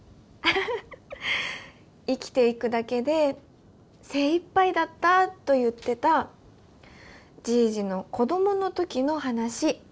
生きていくだけで精いっぱいだったと言ってたじいじの子供の時の話。